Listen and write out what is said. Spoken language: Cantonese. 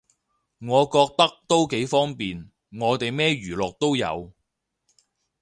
我覺得都幾方便，我哋咩娛樂都有